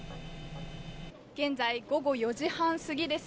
現在、午後４時半過ぎです。